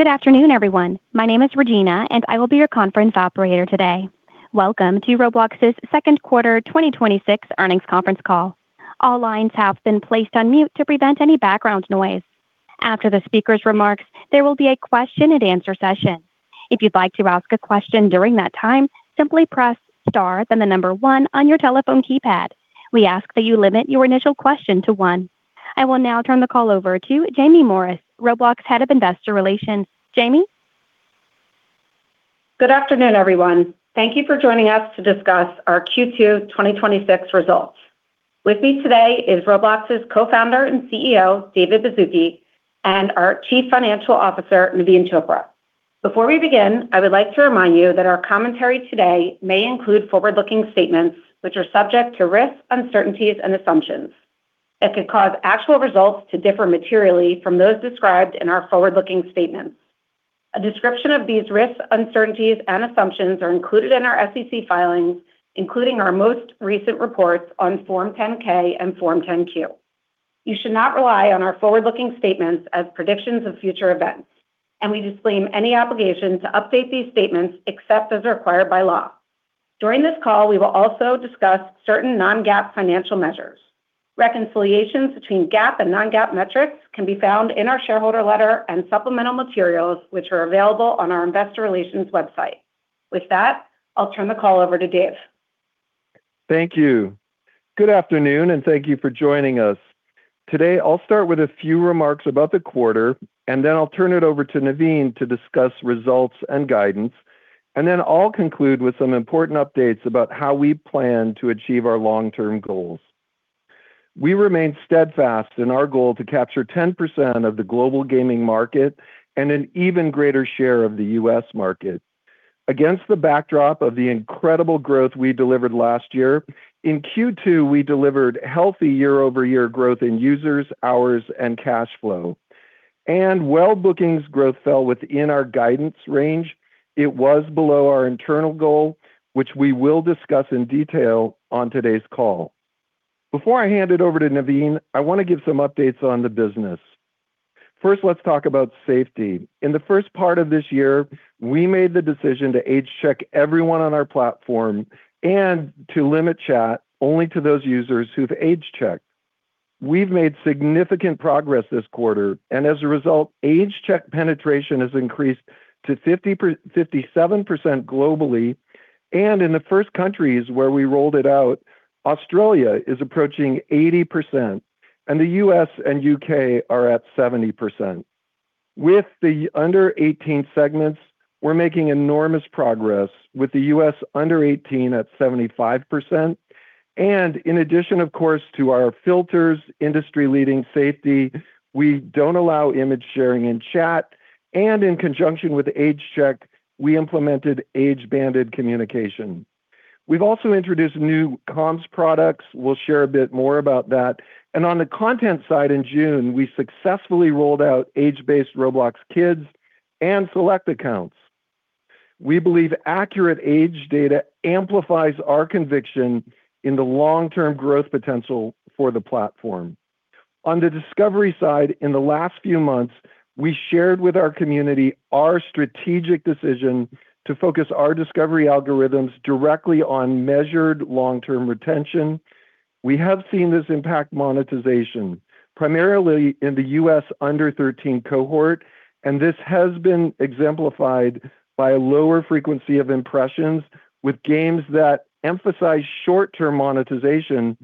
Good afternoon, everyone. My name is Regina, and I will be your conference operator today. Welcome to Roblox's Q2 2026 Earnings Conference Call. All lines have been placed on mute to prevent any background noise. After the speaker's remarks, there will be a question and answer session. If you'd like to ask a question during that time, simply press star, then the number one on your telephone keypad. We ask that you limit your initial question to one. I will now turn the call over to Jaime Morris, Roblox Head of Investor Relations. Jaime? Good afternoon, everyone. Thank you for joining us to discuss our Q2 2026 results. With me today is Roblox's co-founder and CEO, David Baszucki, and our Chief Financial Officer, Naveen Chopra. Before we begin, I would like to remind you that our commentary today may include forward-looking statements, which are subject to risks, uncertainties, and assumptions that could cause actual results to differ materially from those described in our forward-looking statements. A description of these risks, uncertainties, and assumptions are included in our SEC filings, including our most recent reports on Form 10-K and Form 10-Q. You should not rely on our forward-looking statements as predictions of future events, and we disclaim any obligation to update these statements except as required by law. During this call, we will also discuss certain non-GAAP financial measures. Reconciliations between GAAP and non-GAAP metrics can be found in our shareholder letter and supplemental materials, which are available on our investor relations website. With that, I'll turn the call over to Dave. Thank you. Good afternoon, and thank you for joining us. Today, I'll start with a few remarks about the quarter, and then I'll turn it over to Naveen to discuss results and guidance, and then I'll conclude with some important updates about how we plan to achieve our long-term goals. We remain steadfast in our goal to capture 10% of the global gaming market and an even greater share of the U.S. market. Against the backdrop of the incredible growth we delivered last year, in Q2, we delivered healthy year-over-year growth in users, hours, and cash flow. While bookings growth fell within our guidance range, it was below our internal goal, which we will discuss in detail on today's call. Before I hand it over to Naveen, I want to give some updates on the business. First, let's talk about safety. In the first part of this year, we made the decision to age check everyone on our platform and to limit chat only to those users who've age checked. We've made significant progress this quarter, and as a result, age check penetration has increased to 57% globally. In the first countries where we rolled it out, Australia is approaching 80%, and the U.S. and U.K. are at 70%. With the under 18 segments, we're making enormous progress, with the U.S. under 18 at 75%. In addition, of course, to our filters, industry-leading safety, we don't allow image sharing in chat, and in conjunction with age check, we implemented age banded communication. We've also introduced new comms products. We'll share a bit more about that. On the content side, in June, we successfully rolled out age-based Roblox Kids and Roblox Select. We believe accurate age data amplifies our conviction in the long-term growth potential for the platform. On the discovery side, in the last few months, we shared with our community our strategic decision to focus our discovery algorithms directly on measured long-term retention. We have seen this impact monetization, primarily in the U.S. under 13 cohort, and this has been exemplified by a lower frequency of impressions with games that emphasize short-term monetization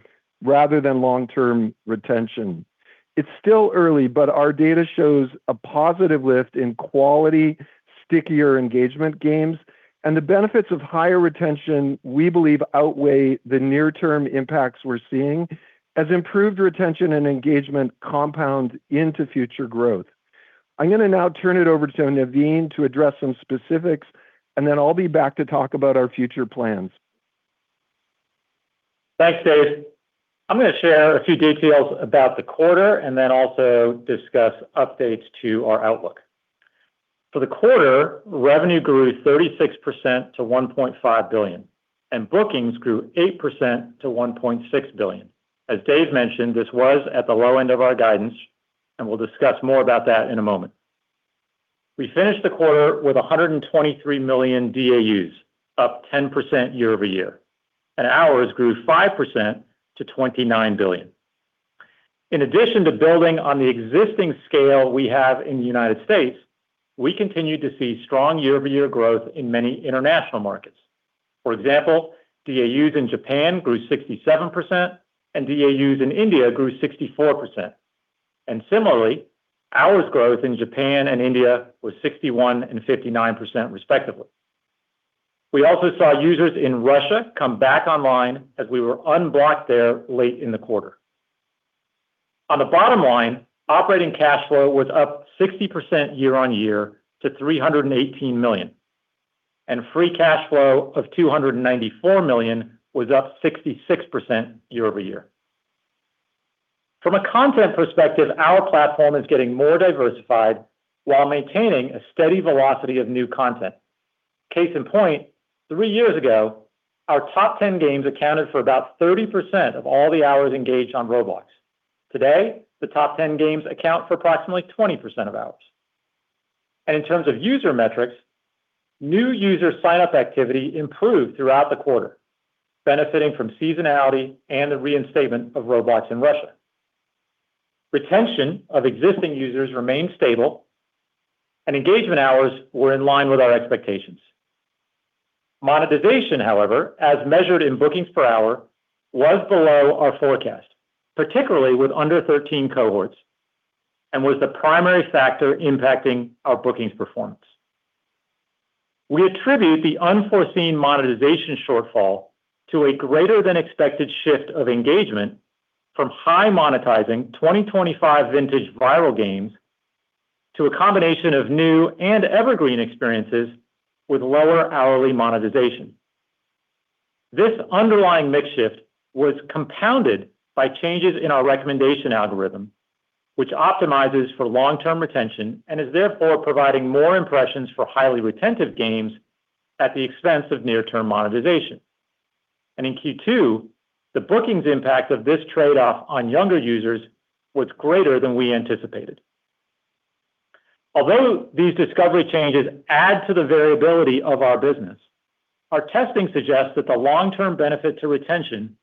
rather than long-term retention. It's still early, but our data shows a positive lift in quality, stickier engagement games, and the benefits of higher retention, we believe, outweigh the near-term impacts we're seeing, as improved retention and engagement compound into future growth. I'm going to now turn it over to Naveen to address some specifics, and then I'll be back to talk about our future plans. Thanks, Dave. I'm going to share a few details about the quarter and then also discuss updates to our outlook. For the quarter, revenue grew 36% to $1.5 billion, and bookings grew 8% to $1.6 billion. As Dave mentioned, this was at the low end of our guidance, and we'll discuss more about that in a moment. We finished the quarter with 123 million DAUs, up 10% year-over-year, and hours grew 5% to 29 billion. In addition to building on the existing scale we have in the United States, we continue to see strong year-over-year growth in many international markets. For example, DAUs in Japan grew 67%, DAUs in India grew 64%. Similarly, hours growth in Japan and India was 61% and 59%, respectively. We also saw users in Russia come back online as we were unblocked there late in the quarter. On the bottom line, operating cash flow was up 60% year-on-year to $318 million, and free cash flow of $294 million was up 66% year-over-year. From a content perspective, our platform is getting more diversified while maintaining a steady velocity of new content Case in point, three years ago, our top 10 games accounted for about 30% of all the hours engaged on Roblox. Today, the top 10 games account for approximately 20% of hours. In terms of user metrics, new user sign-up activity improved throughout the quarter, benefiting from seasonality and the reinstatement of Roblox in Russia. Retention of existing users remained stable, and engagement hours were in line with our expectations. Monetization, however, as measured in bookings per hour, was below our forecast, particularly with under-13 cohorts, and was the primary factor impacting our bookings performance. We attribute the unforeseen monetization shortfall to a greater than expected shift of engagement from high monetizing 2025 vintage viral games to a combination of new and evergreen experiences with lower hourly monetization. This underlying mix shift was compounded by changes in our recommendation algorithm, which optimizes for long-term retention and is therefore providing more impressions for highly retentive games at the expense of near-term monetization. In Q2, the bookings impact of this trade-off on younger users was greater than we anticipated. Although these discovery changes add to the variability of our business, our testing suggests that the long-term benefit to retention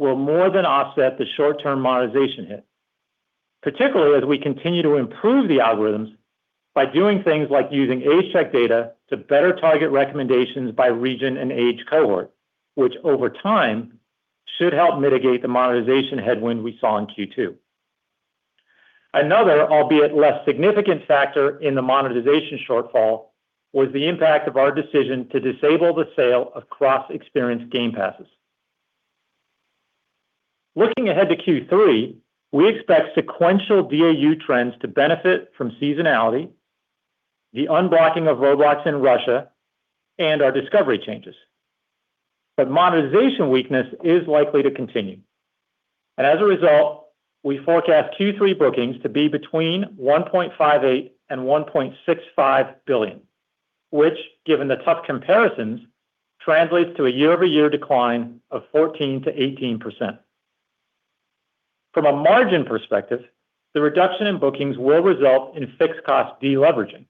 will more than offset the short-term monetization hit. Particularly as we continue to improve the algorithms by doing things like using age check data to better target recommendations by region and age cohort, which over time should help mitigate the monetization headwind we saw in Q2. Another, albeit less significant factor in the monetization shortfall, was the impact of our decision to disable the sale of cross-experience game passes. Looking ahead to Q3, we expect sequential DAU trends to benefit from seasonality, the unblocking of Roblox in Russia, and our discovery changes. Monetization weakness is likely to continue. As a result, we forecast Q3 bookings to be between $1.58 billion and $1.65 billion, which given the tough comparisons, translates to a year-over-year decline of 14%-18%. From a margin perspective, the reduction in bookings will result in fixed cost de-leveraging.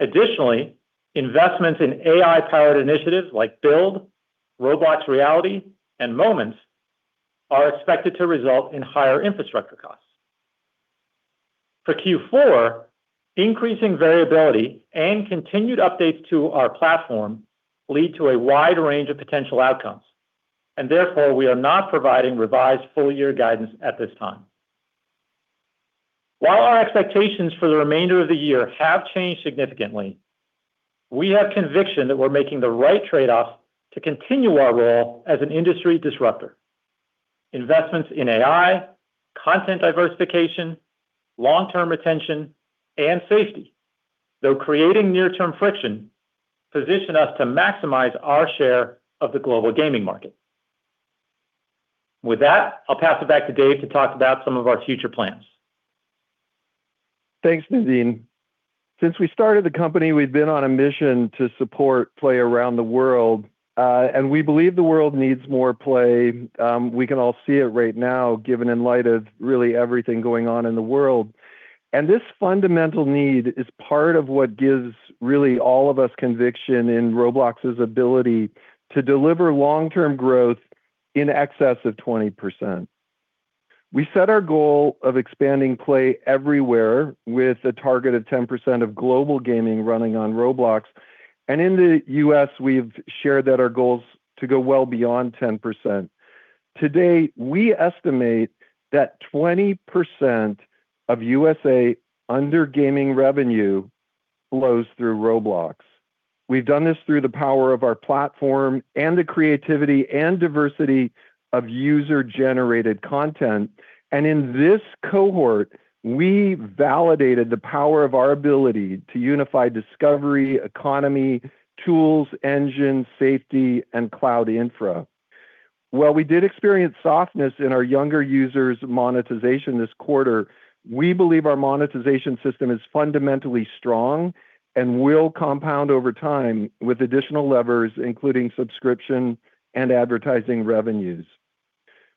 Additionally, investments in AI-powered initiatives like Build, Roblox Reality, and Moments are expected to result in higher infrastructure costs. For Q4, increasing variability and continued updates to our platform lead to a wide range of potential outcomes, therefore, we are not providing revised full-year guidance at this time. While our expectations for the remainder of the year have changed significantly, we have conviction that we're making the right trade-off to continue our role as an industry disruptor. Investments in AI, content diversification, long-term retention, and safety, though creating near-term friction, position us to maximize our share of the global gaming market. With that, I'll pass it back to Dave to talk about some of our future plans. Thanks, Naveen. Since we started the company, we've been on a mission to support play around the world, and we believe the world needs more play. We can all see it right now, given in light of really everything going on in the world. This fundamental need is part of what gives really all of us conviction in Roblox's ability to deliver long-term growth in excess of 20%. We set our goal of expanding play everywhere with a target of 10% of global gaming running on Roblox. In the U.S., we've shared that our goal is to go well beyond 10%. To date, we estimate that 20% of USA under gaming revenue flows through Roblox. We've done this through the power of our platform and the creativity and diversity of user-generated content. In this cohort, we validated the power of our ability to unify discovery, economy, tools, engine, safety, and cloud infra. While we did experience softness in our younger users' monetization this quarter, we believe our monetization system is fundamentally strong and will compound over time with additional levers, including subscription and advertising revenues.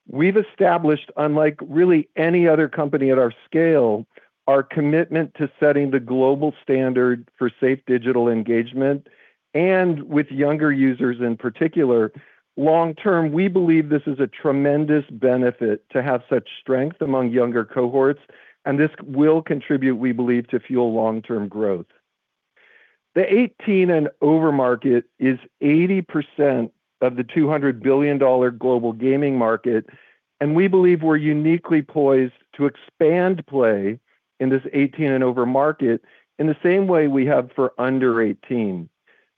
We've established, unlike really any other company at our scale, our commitment to setting the global standard for safe digital engagement and with younger users in particular. Long-term, we believe this is a tremendous benefit to have such strength among younger cohorts, and this will contribute, we believe, to fuel long-term growth. The 18-and-over market is 80% of the $200 billion global gaming market, we believe we're uniquely poised to expand play in this 18-and-over market in the same way we have for under 18.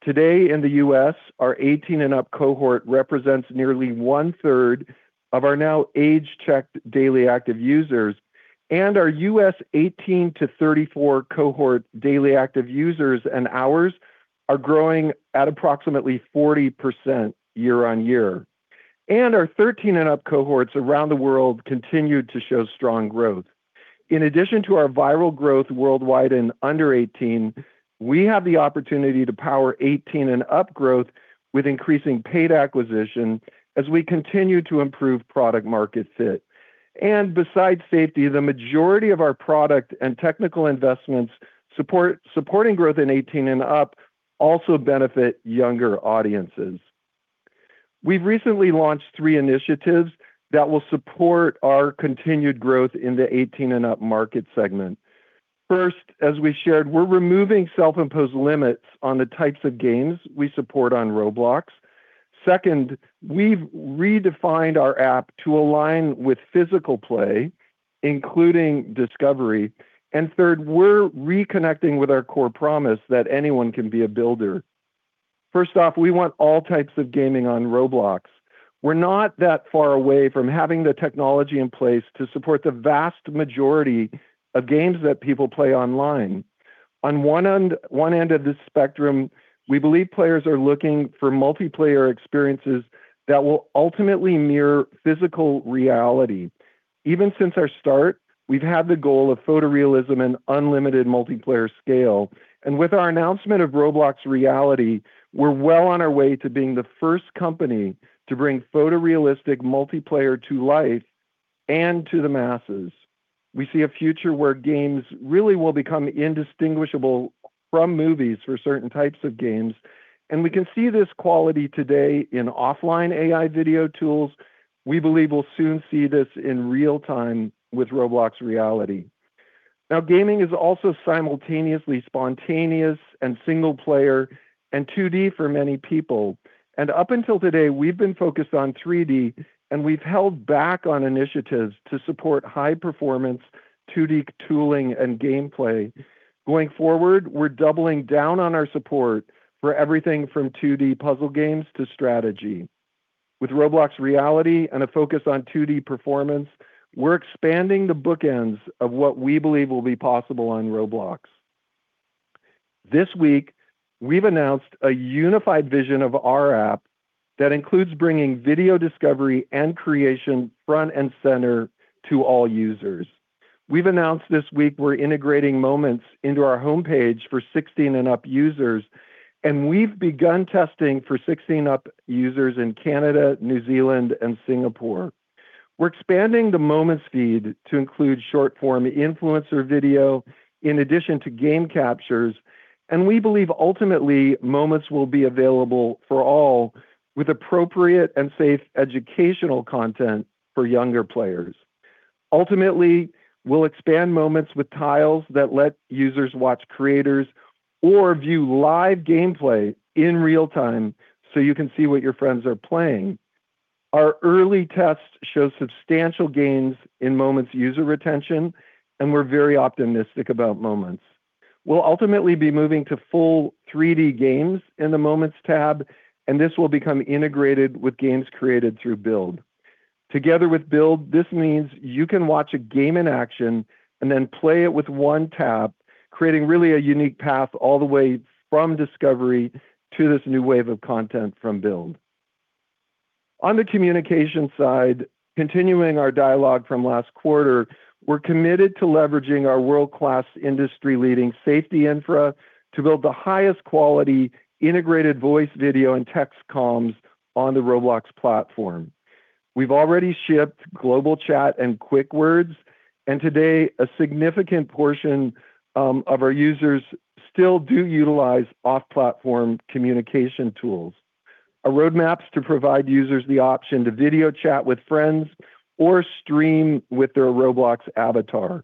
Today in the U.S., our 18-and-up cohort represents nearly 1/3 of our now age-checked daily active users and our U.S. 18-34 cohort daily active users and hours are growing at approximately 40% year-on-year. Our 13-and-up cohorts around the world continue to show strong growth. In addition to our viral growth worldwide in under 18, we have the opportunity to power 18-and-up growth with increasing paid acquisition as we continue to improve product market fit. Besides safety, the majority of our product and technical investments supporting growth in 18-and-up also benefit younger audiences. We've recently launched three initiatives that will support our continued growth in the 18-and-up market segment. First, as we shared, we're removing self-imposed limits on the types of games we support on Roblox. Second, we've redefined our app to align with physical play, including discovery. Third, we're reconnecting with our core promise that anyone can be a builder. First off, we want all types of gaming on Roblox. We're not that far away from having the technology in place to support the vast majority of games that people play online. On one end of this spectrum, we believe players are looking for multiplayer experiences that will ultimately mirror physical reality. Even since our start, we've had the goal of photorealism and unlimited multiplayer scale. With our announcement of Roblox Reality, we're well on our way to being the first company to bring photorealistic multiplayer to life and to the masses. We see a future where games really will become indistinguishable from movies for certain types of games. We can see this quality today in offline AI video tools. We believe we'll soon see this in real-time with Roblox Reality. Now, gaming is also simultaneously spontaneous and single player and 2D for many people. Up until today, we've been focused on 3D, and we've held back on initiatives to support high-performance 2D tooling and gameplay. Going forward, we're doubling down on our support for everything from 2D puzzle games to strategy. With Roblox Reality and a focus on 2D performance, we're expanding the bookends of what we believe will be possible on Roblox. This week, we've announced a unified vision of our app that includes bringing video discovery and creation front and center to all users. We've announced this week we're integrating Moments into our homepage for 16-and-up users, and we've begun testing for 16 up users in Canada, New Zealand, and Singapore. We're expanding the Moments feed to include short-form influencer video in addition to game captures, and we believe ultimately, Moments will be available for all with appropriate and safe educational content for younger players. Ultimately, we'll expand Moments with tiles that let users watch creators or view live gameplay in real-time, so you can see what your friends are playing. Our early tests show substantial gains in Moments user retention, and we're very optimistic about Moments. We'll ultimately be moving to full 3D games in the Moments tab, and this will become integrated with games created through Build. Together with Build, this means you can watch a game in action and then play it with one tap, creating really a unique path all the way from discovery to this new wave of content from Build. On the communication side, continuing our dialogue from last quarter, we're committed to leveraging our world-class, industry-leading safety infra to build the highest quality integrated voice, video, and text comms on the Roblox platform. We've already shipped global chat and quick words, and today, a significant portion of our users still do utilize off-platform communication tools. Our roadmap's to provide users the option to video chat with friends or stream with their Roblox avatar.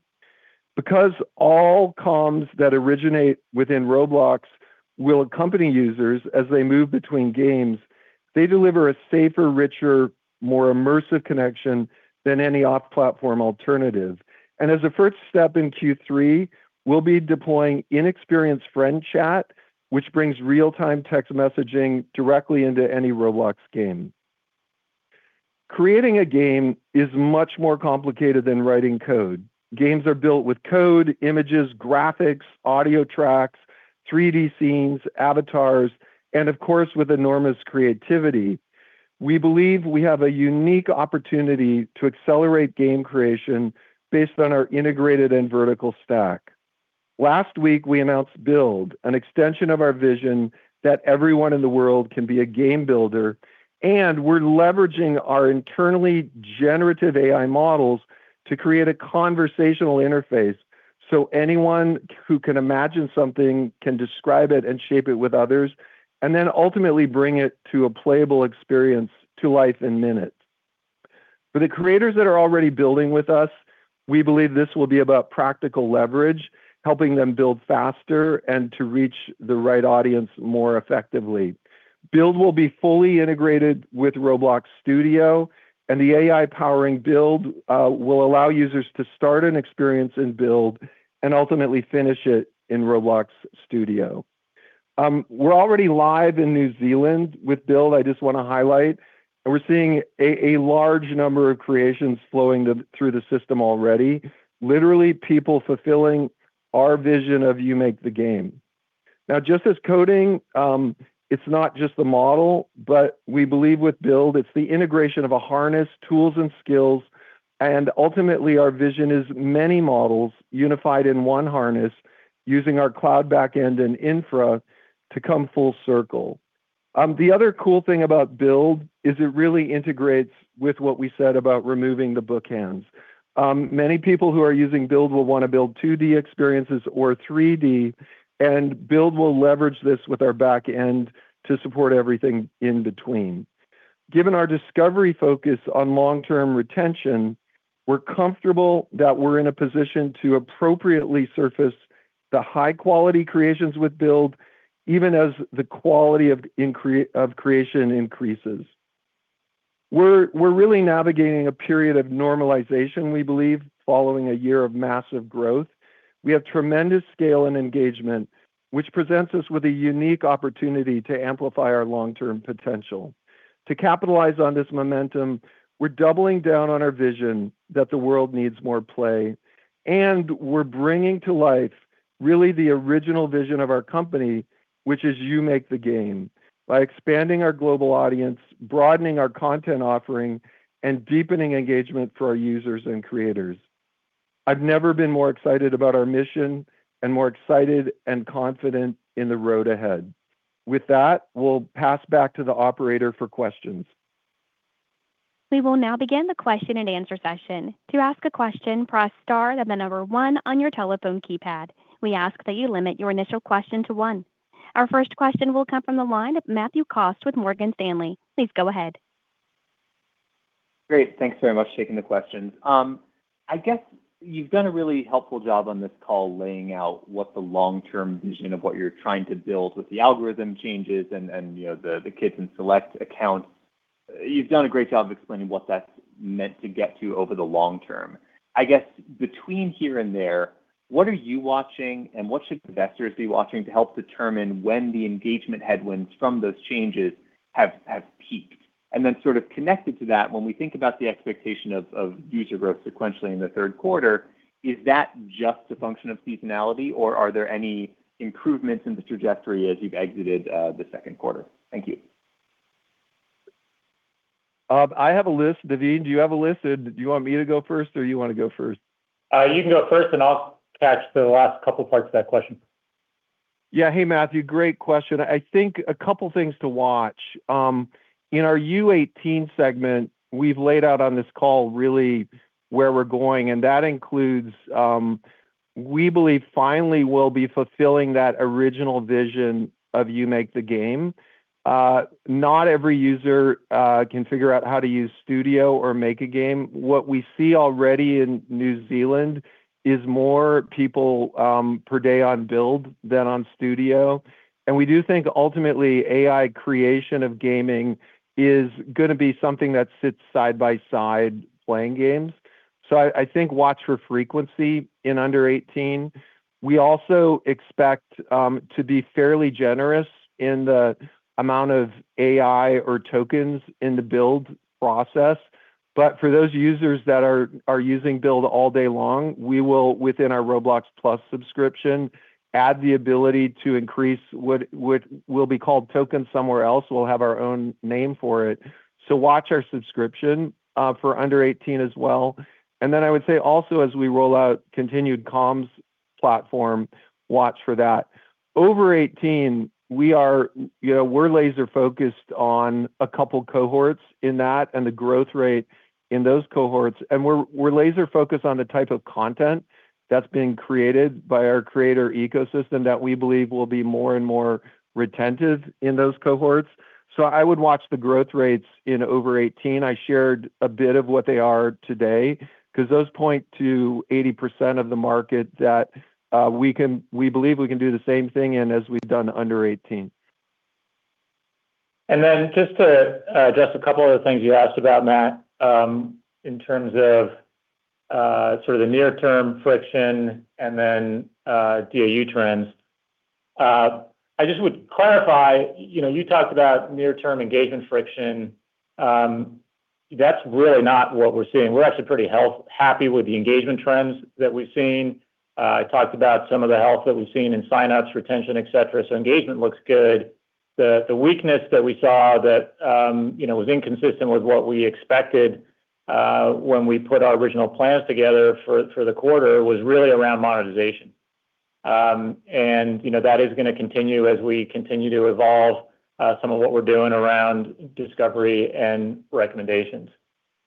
Because all comms that originate within Roblox will accompany users as they move between games, they deliver a safer, richer, more immersive connection than any off-platform alternative. As a first step in Q3, we'll be deploying in-experience friend chat, which brings real-time text messaging directly into any Roblox game. Creating a game is much more complicated than writing code. Games are built with code, images, graphics, audio tracks, 3D scenes, avatars, and of course, with enormous creativity. We believe we have a unique opportunity to accelerate game creation based on our integrated and vertical stack. Last week, we announced Build, an extension of our vision that everyone in the world can be a game builder, and we're leveraging our internally generative AI models to create a conversational interface, anyone who can imagine something can describe it and shape it with others, ultimately bring it to a playable experience to life in minutes. For the creators that are already building with us, we believe this will be about practical leverage, helping them build faster and to reach the right audience more effectively. Build will be fully integrated with Roblox Studio, the AI powering Build will allow users to start an experience in Build and ultimately finish it in Roblox Studio. We're already live in New Zealand with Build, I just want to highlight, and we're seeing a large number of creations flowing through the system already. Literally, people fulfilling our vision of you make the game. Just as coding, it's not just the model, but we believe with Build, it's the integration of a harness, tools, and skills. Ultimately, our vision is many models unified in one harness using our cloud back-end and infra to come full circle. The other cool thing about Build is it really integrates with what we said about removing the bookends. Many people who are using Build will want to build 2D experiences or 3D, Build will leverage this with our back-end to support everything in between. Given our discovery focus on long-term retention, we're comfortable that we're in a position to appropriately surface the high-quality creations with Build, even as the quality of creation increases. We're really navigating a period of normalization, we believe, following a year of massive growth. We have tremendous scale and engagement, which presents us with a unique opportunity to amplify our long-term potential. To capitalize on this momentum, we're doubling down on our vision that the world needs more play, we're bringing to life really the original vision of our company, which is You Make the Game, by expanding our global audience, broadening our content offering, and deepening engagement for our users and creators. I've never been more excited about our mission and more excited and confident in the road ahead. With that, we'll pass back to the operator for questions. We will now begin the question and answer session. To ask a question, press star, then the number one on your telephone keypad. We ask that you limit your initial question to one. Our first question will come from the line of Matthew Cost with Morgan Stanley. Please go ahead. Great. Thanks very much taking the questions. I guess you've done a really helpful job on this call, laying out what the long-term vision of what you're trying to build with the algorithm changes and the Kids and Select accounts. You've done a great job of explaining what that's meant to get to over the long term. I guess between here and there, what are you watching and what should investors be watching to help determine when the engagement headwinds from those changes have peaked? Connected to that, when we think about the expectation of user growth sequentially in the Q3, is that just a function of seasonality, or are there any improvements in the trajectory as you've exited the Q2? Thank you. I have a list. David, do you have a list? Do you want me to go first or you want to go first? You can go first. I'll catch the last couple parts of that question. Yeah. Hey, Matthew, great question. I think a couple things to watch. In our U18 segment, we've laid out on this call really where we're going, and that includes, we believe, finally we'll be fulfilling that original vision of You Make the Game. Not every user can figure out how to use Studio or Make a Game. What we see already in New Zealand is more people per day on Build than on Studio. We do think ultimately, AI creation of gaming is going to be something that sits side by side, playing games. I think watch for frequency in under 18. We also expect to be fairly generous in the amount of AI or tokens in the Build process. For those users that are using Build all day long, we will, within our Roblox Plus subscription, add the ability to increase what will be called token somewhere else. We'll have our own name for it. Watch our subscription for under 18 as well. I would say also as we roll out continued comms platform, watch for that. Over 18, we're laser-focused on a couple cohorts in that and the growth rate in those cohorts, and we're laser-focused on the type of content that's being created by our creator ecosystem that we believe will be more and more retentive in those cohorts. I would watch the growth rates in over 18. I shared a bit of what they are today, because those point to 80% of the market that we believe we can do the same thing in as we've done under 18. Just to address a couple other things you asked about, Matt, in terms of sort of the near-term friction and DAU trends. I just would clarify, you talked about near-term engagement friction. That's really not what we're seeing. We're actually pretty happy with the engagement trends that we've seen. I talked about some of the health that we've seen in sign-ups, retention, et cetera, so engagement looks good. The weakness that we saw that was inconsistent with what we expected when we put our original plans together for the quarter was really around monetization. That is going to continue as we continue to evolve some of what we're doing around discovery and recommendations.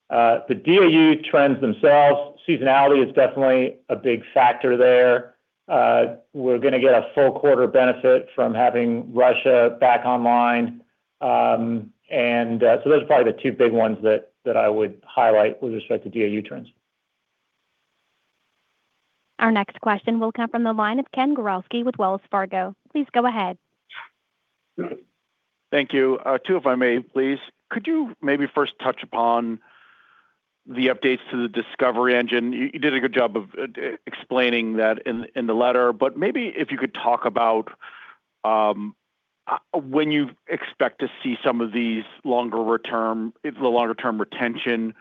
The DAU trends themselves, seasonality is definitely a big factor there. We're going to get a full quarter benefit from having Russia back online. Those are probably the two big ones that I would highlight with respect to DAU trends. Our next question will come from the line of Ken Gawrelski with Wells Fargo. Please go ahead. Thank you. Two, if I may, please. Could you maybe first touch upon the updates to the Discovery engine? You did a good job of explaining that in the letter, but maybe if you could talk about when you expect to see some of these longer-term retention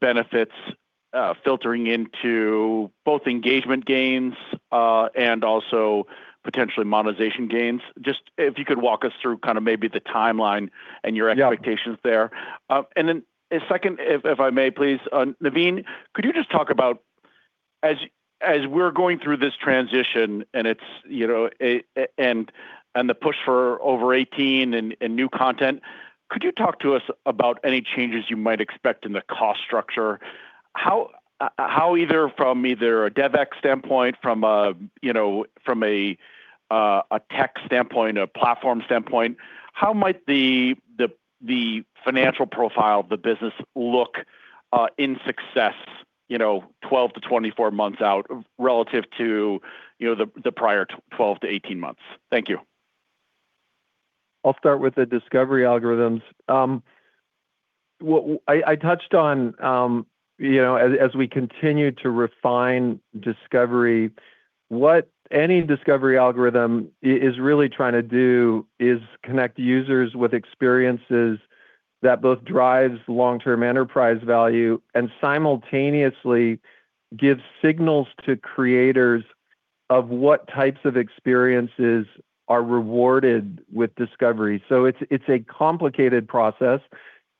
benefits filtering into both engagement gains, and also potentially monetization gains. Just if you could walk us through maybe the timeline and your expectations there. Second, if I may, please. Naveen, could you just talk about as we're going through this transition and the push for over 18 and new content, could you talk to us about any changes you might expect in the cost structure? How either from either a DevEx standpoint, from a tech standpoint, a platform standpoint, how might the financial profile of the business look in success 12-24 months out relative to the prior 12-18 months? Thank you. I'll start with the Discovery algorithms. What I touched on, as we continue to refine Discovery, what any Discovery algorithm is really trying to do is connect users with experiences that both drives long-term enterprise value and simultaneously gives signals to creators of what types of experiences are rewarded with Discovery. It's a complicated process.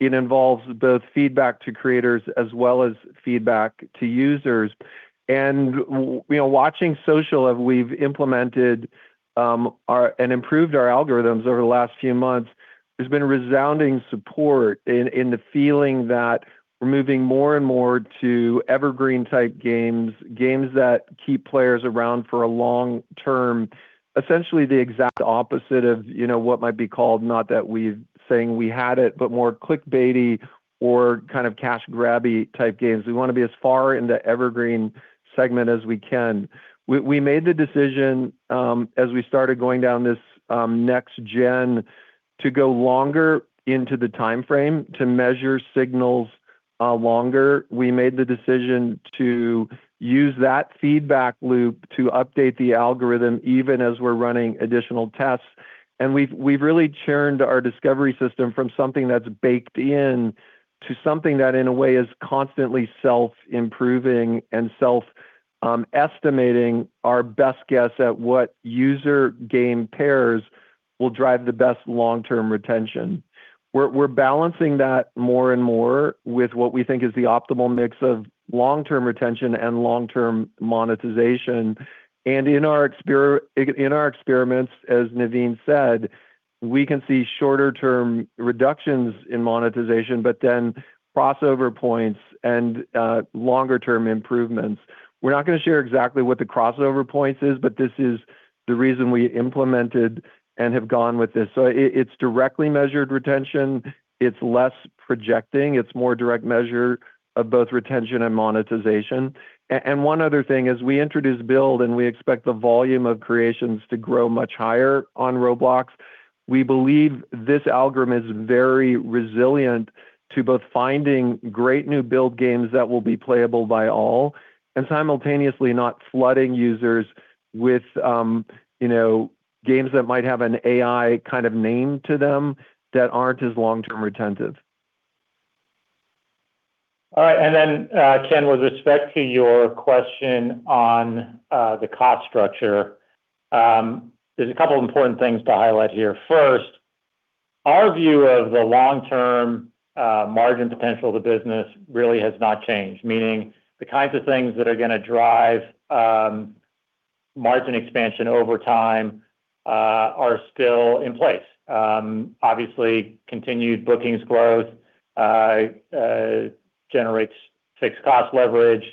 It involves both feedback to creators as well as feedback to users. Watching social, we've implemented and improved our algorithms over the last few months, there's been resounding support in the feeling that we're moving more and more to evergreen-type games that keep players around for a long-term. Essentially the exact opposite of what might be called, not that we're saying we had it, but more clickbaity or kind of cash grabby type games. We want to be as far in the evergreen segment as we can. We made the decision, as we started going down this next-gen, to go longer into the timeframe to measure signals longer. We made the decision to use that feedback loop to update the algorithm, even as we're running additional tests. We've really churned our Discovery system from something that's baked in to something that, in a way, is constantly self-improving and self-estimating our best guess at what user-game pairs will drive the best long-term retention. We're balancing that more and more with what we think is the optimal mix of long-term retention and long-term monetization. In our experiments, as Naveen said, we can see shorter-term reductions in monetization, but then crossover points and longer-term improvements. We're not going to share exactly what the crossover points is, but this is the reason we implemented and have gone with this. It's directly measured retention. It's less projecting. It's more direct measure of both retention and monetization. One other thing, as we introduce Build and we expect the volume of creations to grow much higher on Roblox, we believe this algorithm is very resilient to both finding great new Build games that will be playable by all, and simultaneously not flooding users with games that might have an AI kind of name to them that aren't as long-term retentive. All right. Ken, with respect to your question on the cost structure, there's a couple important things to highlight here. First, our view of the long-term margin potential of the business really has not changed, meaning the kinds of things that are going to drive margin expansion over time are still in place. Obviously, continued bookings growth generates fixed cost leverage.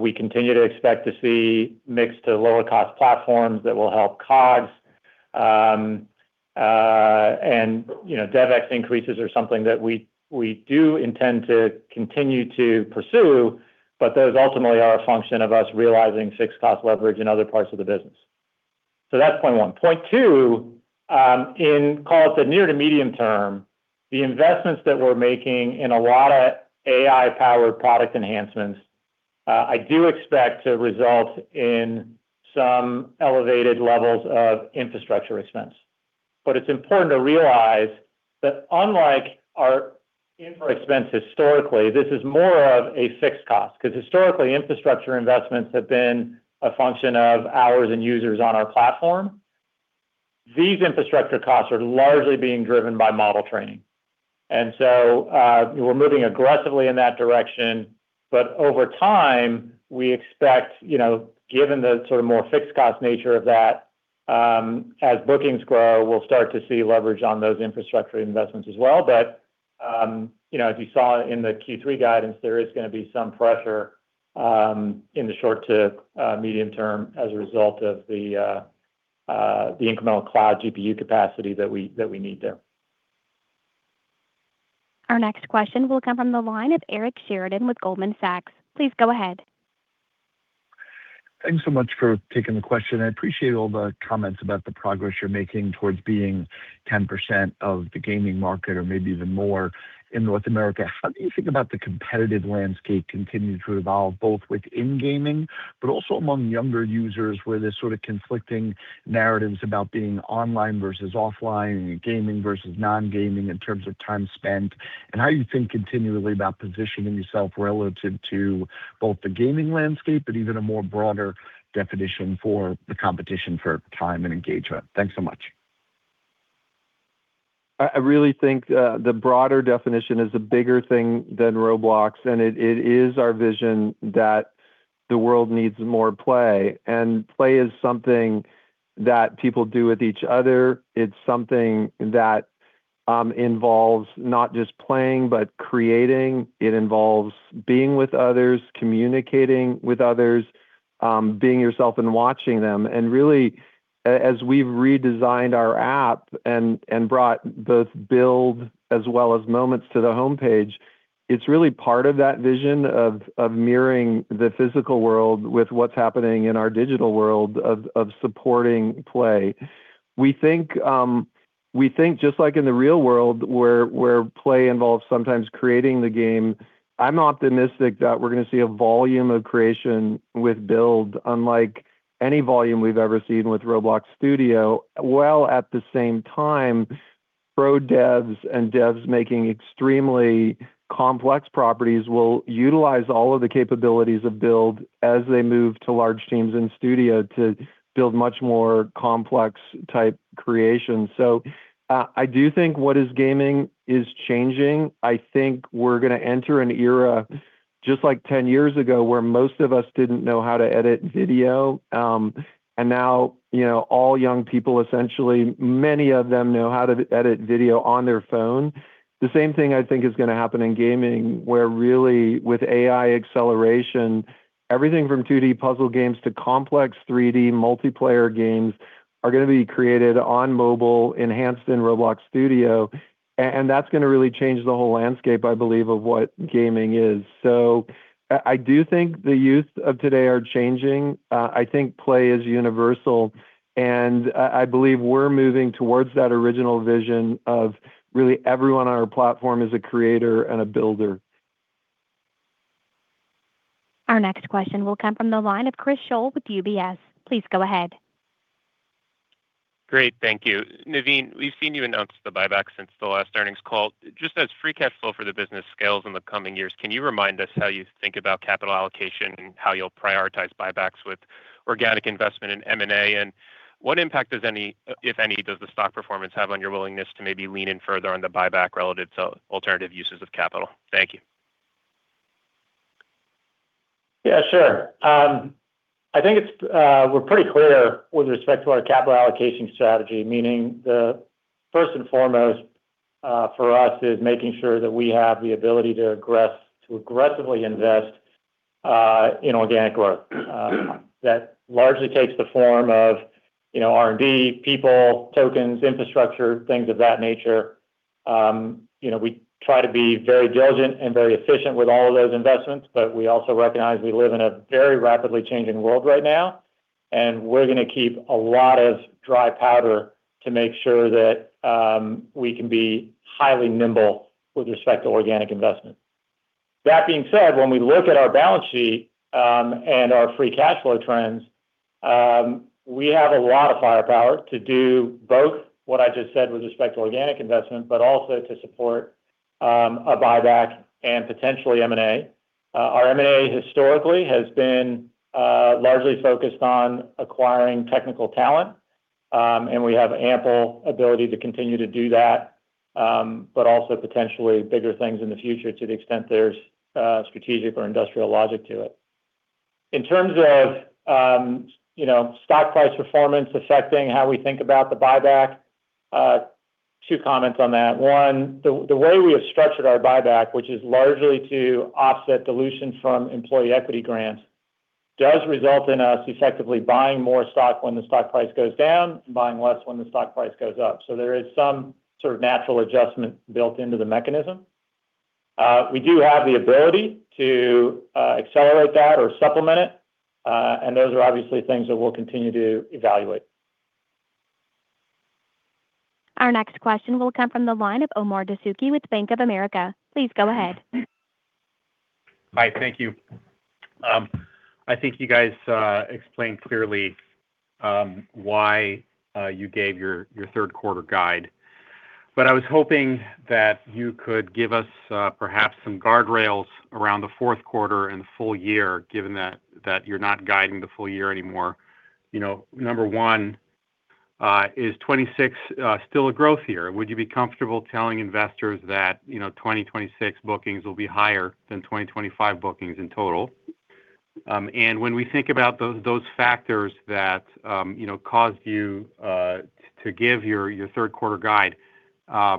We continue to expect to see mix to lower cost platforms that will help COGS, and DevEx increases are something that we do intend to continue to pursue, but those ultimately are a function of us realizing fixed cost leverage in other parts of the business. That's point one. Point two, in call it the near to medium term, the investments that we're making in a lot of AI-powered product enhancements, I do expect to result in some elevated levels of infrastructure expense. It's important to realize that unlike our infra expense historically, this is more of a fixed cost, because historically, infrastructure investments have been a function of hours and users on our platform. These infrastructure costs are largely being driven by model training, we're moving aggressively in that direction. Over time, we expect, given the more fixed cost nature of that, as bookings grow, we'll start to see leverage on those infrastructure investments as well. As you saw in the Q3 guidance, there is going to be some pressure in the short to medium term as a result of the incremental cloud GPU capacity that we need there. Our next question will come from the line of Eric Sheridan with Goldman Sachs. Please go ahead. Thanks so much for taking the question. I appreciate all the comments about the progress you're making towards being 10% of the gaming market or maybe even more in North America. How do you think about the competitive landscape continuing to evolve, both within gaming, but also among younger users where there's sort of conflicting narratives about being online versus offline and gaming versus non-gaming in terms of time spent? How you think continually about positioning yourself relative to both the gaming landscape, but even a broader definition for the competition for time and engagement. Thanks so much. I really think the broader definition is a bigger thing than Roblox, and it is our vision that the world needs more play. Play is something that people do with each other. It's something that involves not just playing, but creating. It involves being with others, communicating with others, being yourself and watching them. Really, as we've redesigned our app and brought both Build as well as Moments to the homepage, it's really part of that vision of mirroring the physical world with what's happening in our digital world of supporting play. We think just like in the real world where play involves sometimes creating the game, I'm optimistic that we're going to see a volume of creation with Build, unlike any volume we've ever seen with Roblox Studio, while at the same time, pro devs and devs making extremely complex properties will utilize all of the capabilities of Build as they move to large teams in Studio to build much more complex type creations. I do think what is gaming is changing. I think we're going to enter an era just like 10 years ago, where most of us didn't know how to edit video, and now all young people, essentially, many of them know how to edit video on their phone. The same thing I think is going to happen in gaming, where really with AI acceleration, everything from 2D puzzle games to complex 3D multiplayer games are going to be created on mobile, enhanced in Roblox Studio. That's going to really change the whole landscape, I believe, of what gaming is. I do think the youth of today are changing. I think play is universal, and I believe we're moving towards that original vision of really everyone on our platform is a creator and a builder. Our next question will come from the line of Chris Scholl with UBS. Please go ahead. Great. Thank you. Naveen, we've seen you announce the buyback since the last earnings call. Just as free cash flow for the business scales in the coming years, can you remind us how you think about capital allocation and how you'll prioritize buybacks with organic investment in M&A? What impact, if any, does the stock performance have on your willingness to maybe lean in further on the buyback relative to alternative uses of capital? Thank you. Yeah, sure. I think we're pretty clear with respect to our capital allocation strategy, meaning first and foremost for us is making sure that we have the ability to aggressively invest in organic growth. That largely takes the form of R&D, people, tokens, infrastructure, things of that nature. We try to be very diligent and very efficient with all of those investments, but we also recognize we live in a very rapidly changing world right now, and we're going to keep a lot of dry powder to make sure that we can be highly nimble with respect to organic investment. That being said, when we look at our balance sheet and our free cash flow trends, we have a lot of firepower to do both, what I just said with respect to organic investment, but also to support a buyback and potentially M&A. Our M&A historically has been largely focused on acquiring technical talent, and we have ample ability to continue to do that, but also potentially bigger things in the future to the extent there's strategic or industrial logic to it. In terms of stock price performance affecting how we think about the buyback, two comments on that. One, the way we have structured our buyback, which is largely to offset dilution from employee equity grants, does result in us effectively buying more stock when the stock price goes down and buying less when the stock price goes up. There is some sort of natural adjustment built into the mechanism. We do have the ability to accelerate that or supplement it, and those are obviously things that we'll continue to evaluate. Our next question will come from the line of Omar Dessouky with Bank of America. Please go ahead. Hi, thank you. I think you guys explained clearly why you gave your Q3 guide, but I was hoping that you could give us perhaps some guardrails around the Q4 and the full year, given that you're not guiding the full year anymore. Number one, is 2026 still a growth year? Would you be comfortable telling investors that 2026 bookings will be higher than 2025 bookings in total? When we think about those factors that caused you to give your Q3 guide, how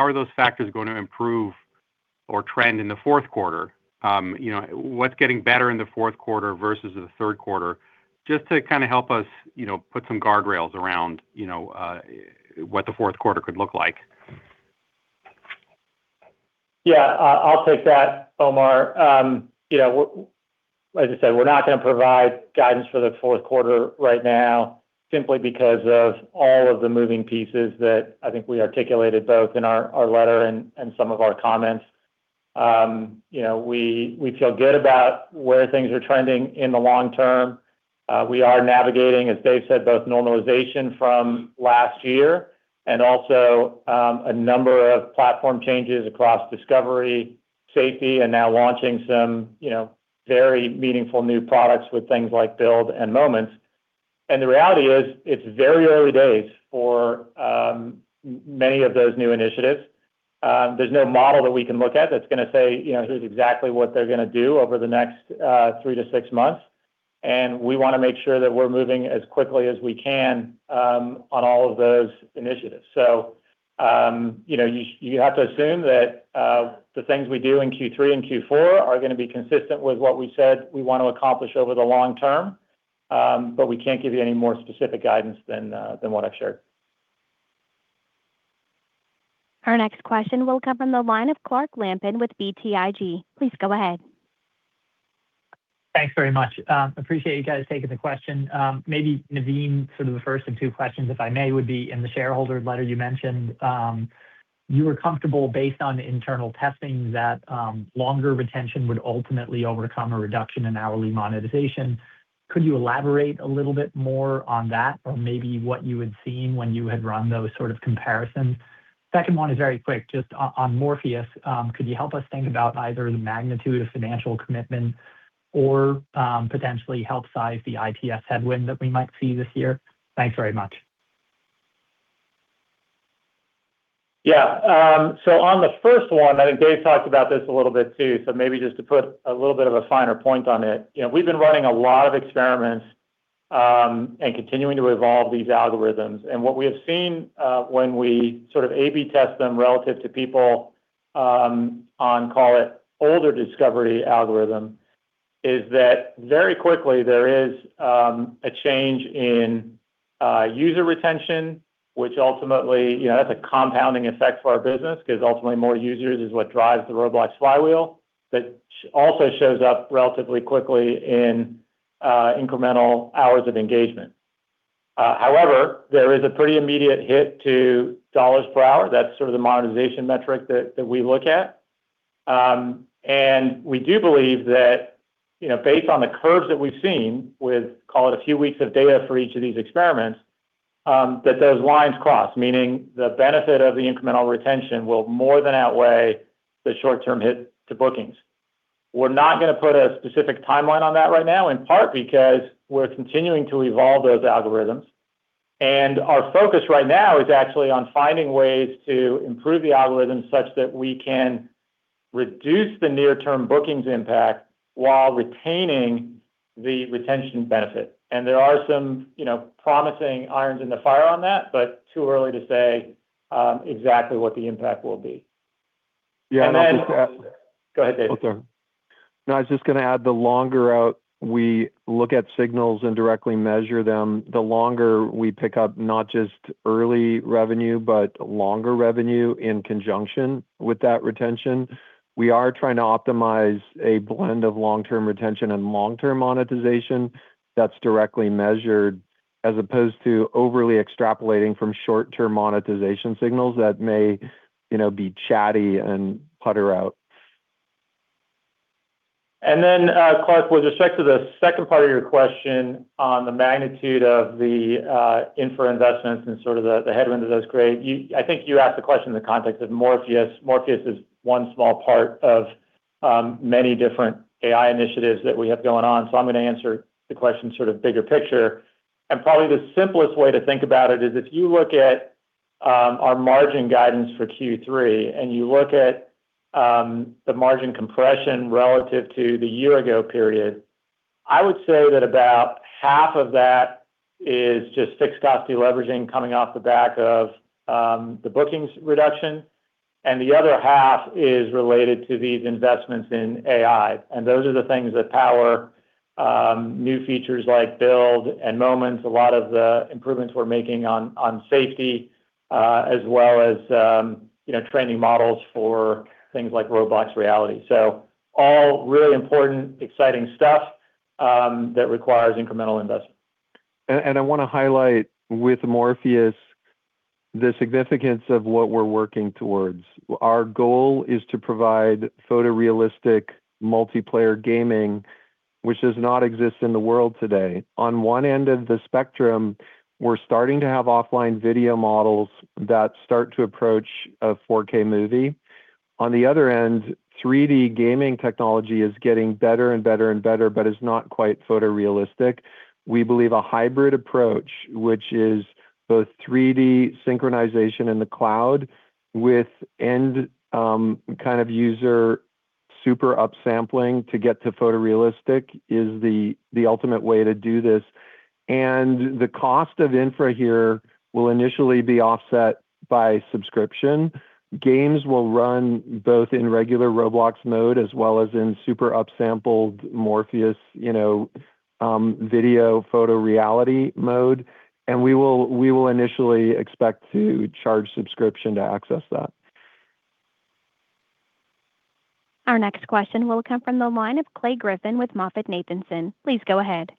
are those factors going to improve or trend in the Q4? What's getting better in the Q4 versus the Q3? Just to kind of help us put some guardrails around what the Q4 could look like. Yeah, I'll take that, Omar. As I said, we're not going to provide guidance for the Q4 right now simply because of all of the moving pieces that I think we articulated both in our letter and some of our comments. We feel good about where things are trending in the long term. We are navigating, as Dave said, both normalization from last year and also a number of platform changes across discovery, safety, and now launching some very meaningful new products with things like Build and Moments. The reality is, it's very early days for many of those new initiatives. There's no model that we can look at that's going to say here's exactly what they're going to do over the next three to six months. We want to make sure that we're moving as quickly as we can on all of those initiatives. You have to assume that the things we do in Q3 and Q4 are going to be consistent with what we said we want to accomplish over the long term, but we can't give you any more specific guidance than what I've shared. Our next question will come from the line of Clark Lampen with BTIG. Please go ahead. Thanks very much. Appreciate you guys taking the question. Naveen, sort of the first of two questions, if I may, would be in the shareholder letter you mentioned, you were comfortable based on internal testing that longer retention would ultimately overcome a reduction in hourly monetization. Could you elaborate a little bit more on that or maybe what you had seen when you had run those sort of comparisons? Second one is very quick, just on Morpheus. Could you help us think about either the magnitude of financial commitment or potentially help size the IPS headwind that we might see this year? Thanks very much. Yeah. On the first one, I think Dave talked about this a little bit too, maybe just to put a little bit of a finer point on it. We've been running a lot of experiments, continuing to evolve these algorithms. What we have seen, when we sort of A/B test them relative to people on, call it, older discovery algorithm, is that very quickly there is a change in user retention, which ultimately, that's a compounding effect for our business because ultimately more users is what drives the Roblox flywheel. Also shows up relatively quickly in incremental hours of engagement. However, there is a pretty immediate hit to dollars per hour. That's sort of the monetization metric that we look at. We do believe that based on the curves that we've seen with, call it, a few weeks of data for each of these experiments, that those lines cross, meaning the benefit of the incremental retention will more than outweigh the short-term hit to bookings. We're not going to put a specific timeline on that right now, in part because we're continuing to evolve those algorithms. Our focus right now is actually on finding ways to improve the algorithms such that we can reduce the near-term bookings impact while retaining the retention benefit. There are some promising irons in the fire on that, too early to say exactly what the impact will be. Yeah. Go ahead, Dave. Okay. No, I was just going to add, the longer out we look at signals and directly measure them, the longer we pick up not just early revenue, but longer revenue in conjunction with that retention. We are trying to optimize a blend of long-term retention and long-term monetization that's directly measured, as opposed to overly extrapolating from short-term monetization signals that may be chatty and putter out. Clark, with respect to the second part of your question on the magnitude of the infra investments and sort of the headwind of those, great. I think you asked the question in the context of Morpheus. Morpheus is one small part of many different AI initiatives that we have going on. I'm going to answer the question sort of bigger picture. Probably the simplest way to think about it is if you look at our margin guidance for Q3, and you look at the margin compression relative to the year-ago period, I would say that about half of that is just fixed cost deleveraging coming off the back of the bookings reduction. The other half is related to these investments in AI. Those are the things that power new features like Build and Moments, a lot of the improvements we're making on safety, as well as training models for things like Roblox Reality. All really important, exciting stuff that requires incremental investment. I want to highlight with Morpheus the significance of what we're working towards. Our goal is to provide photorealistic multiplayer gaming, which does not exist in the world today. On one end of the spectrum, we're starting to have offline video models that start to approach a 4K movie. On the other end, 3D gaming technology is getting better and better and better, but is not quite photorealistic. We believe a hybrid approach, which is both 3D synchronization in the cloud with end user super upsampling to get to photorealistic, is the ultimate way to do this. The cost of infra here will initially be offset by subscription. Games will run both in regular Roblox mode as well as in super upsampled Morpheus- Video photo reality mode, we will initially expect to charge subscription to access that. Our next question will come from the line of Clay Griffin with MoffettNathanson. Please go ahead.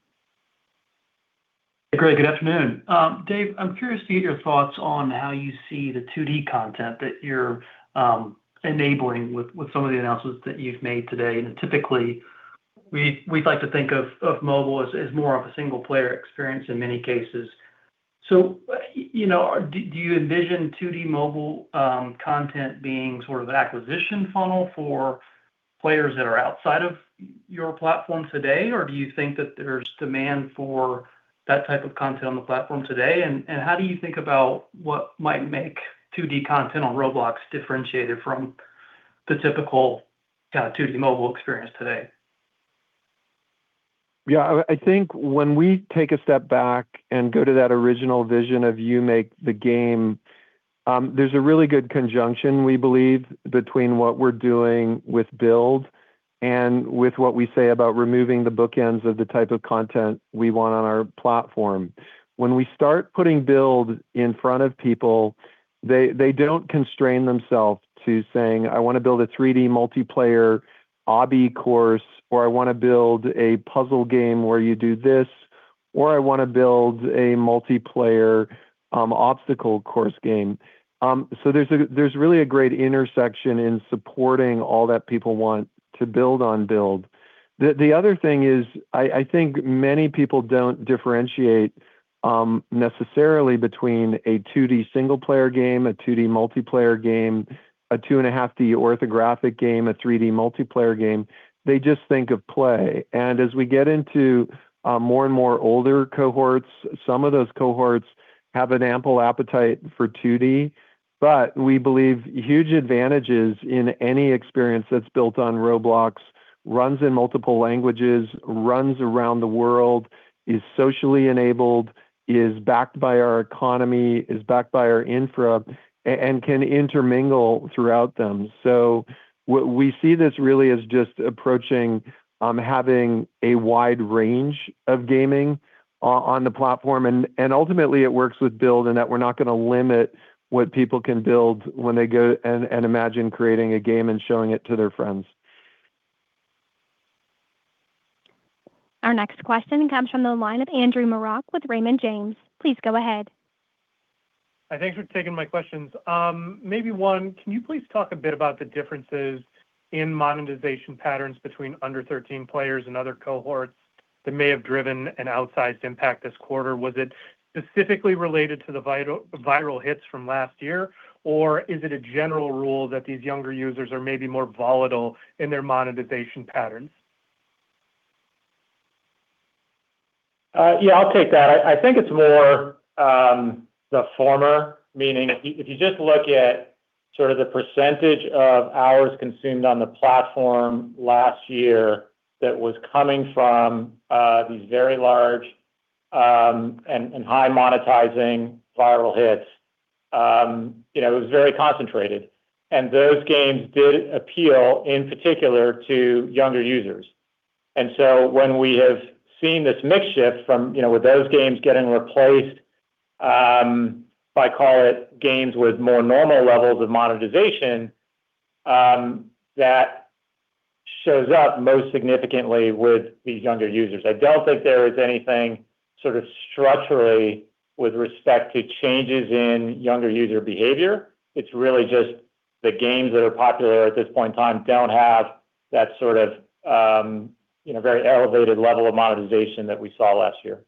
Great. Good afternoon. Dave, I'm curious to get your thoughts on how you see the 2D content that you're enabling with some of the announcements that you've made today. Typically, we'd like to think of mobile as more of a single-player experience in many cases. Do you envision 2D mobile content being sort of an acquisition funnel for players that are outside of your platform today? Or do you think that there's demand for that type of content on the platform today? How do you think about what might make 2D content on Roblox differentiated from the typical kind of 2D mobile experience today? I think when we take a step back and go to that original vision of you make the game, there's a really good conjunction, we believe, between what we're doing with Build and with what we say about removing the bookends of the type of content we want on our platform. When we start putting Build in front of people, they don't constrain themselves to saying, "I want to build a 3D multiplayer obby course," or, "I want to build a puzzle game where you do this," or, "I want to build a multiplayer obstacle course game." There's really a great intersection in supporting all that people want to build on Build. The other thing is, I think many people don't differentiate necessarily between a 2D single-player game, a 2D multiplayer game, a two and a half D orthographic game, a 3D multiplayer game. They just think of play. As we get into more and more older cohorts, some of those cohorts have an ample appetite for 2D. We believe huge advantages in any experience that's built on Roblox, runs in multiple languages, runs around the world, is socially enabled, is backed by our economy, is backed by our infra, and can intermingle throughout them. We see this really as just approaching having a wide range of gaming on the platform, and ultimately it works with Build in that we're not going to limit what people can build when they go and imagine creating a game and showing it to their friends. Our next question comes from the line of Andrew Marok with Raymond James. Please go ahead. Thanks for taking my questions. Maybe one, can you please talk a bit about the differences in monetization patterns between under 13 players and other cohorts that may have driven an outsized impact this quarter? Was it specifically related to the viral hits from last year, or is it a general rule that these younger users are maybe more volatile in their monetization patterns? Yeah, I'll take that. I think it's more the former, meaning if you just look at sort of the percentage of hours consumed on the platform last year that was coming from these very large and high monetizing viral hits. It was very concentrated, and those games did appeal in particular to younger users. So when we have seen this mix shift from those games getting replaced, if I call it games with more normal levels of monetization, that shows up most significantly with these younger users. I don't think there is anything sort of structurally with respect to changes in younger user behavior. It's really just the games that are popular at this point in time don't have that sort of very elevated level of monetization that we saw last year.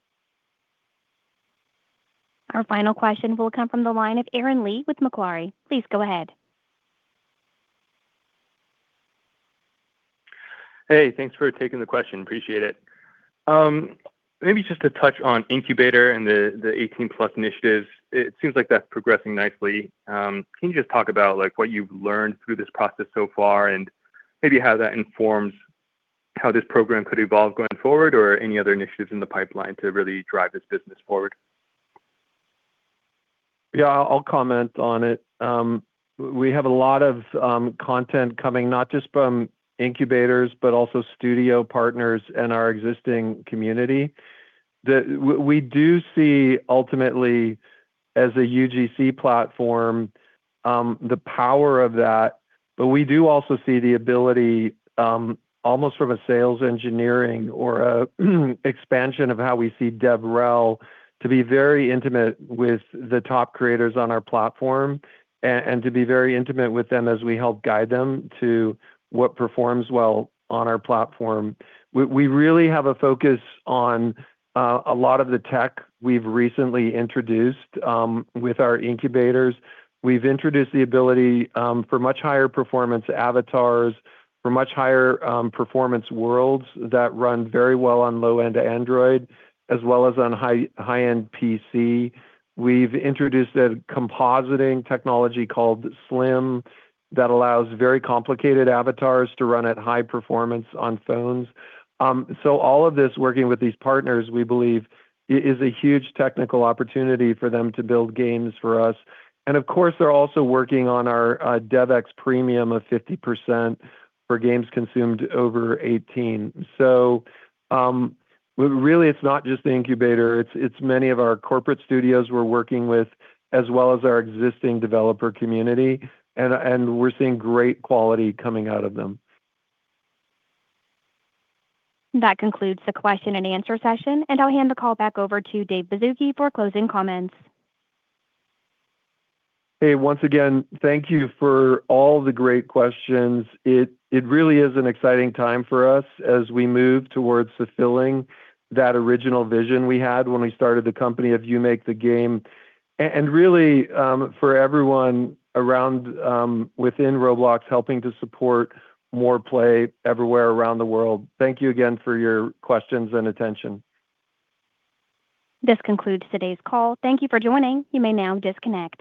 Our final question will come from the line of Aaron Lee with Macquarie. Please go ahead. Hey, thanks for taking the question. Appreciate it. Maybe just to touch on Incubator and the 18 plus initiatives, it seems like that's progressing nicely. Can you just talk about what you've learned through this process so far and maybe how that informs how this program could evolve going forward or any other initiatives in the pipeline to really drive this business forward? Yeah, I'll comment on it. We have a lot of content coming, not just from Incubators, but also studio partners and our existing community. We do see ultimately as a UGC platform, the power of that, but we do also see the ability, almost from a sales engineering or an expansion of how we see DevRel to be very intimate with the top creators on our platform and to be very intimate with them as we help guide them to what performs well on our platform. We really have a focus on a lot of the tech we've recently introduced with our Incubators. We've introduced the ability for much higher performance avatars, for much higher performance worlds that run very well on low-end Android as well as on high-end PC. We've introduced a compositing technology called SLIM that allows very complicated avatars to run at high performance on phones. All of this, working with these partners, we believe is a huge technical opportunity for them to build games for us. Of course, they're also working on our DevEx premium of 50% for games consumed over 18. Really it's not just the Incubator, it's many of our corporate studios we're working with as well as our existing developer community, and we're seeing great quality coming out of them. That concludes the question and answer session, and I'll hand the call back over to David Baszucki for closing comments. Hey, once again, thank you for all the great questions. It really is an exciting time for us as we move towards fulfilling that original vision we had when we started the company of You Make the Game. Really, for everyone around within Roblox helping to support more play everywhere around the world. Thank you again for your questions and attention. This concludes today's call. Thank you for joining. You may now disconnect.